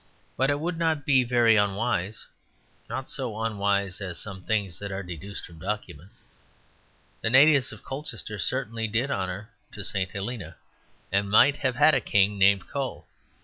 But it would not be very unwise; not so unwise as some things that are deduced from documents. The natives of Colchester certainly did honour to St. Helena, and might have had a king named Cole.